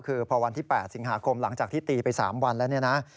คือพอวันที่๘สิงหาคมหลังจากที่ตีไป๓วันแล้วเนี่ยนะ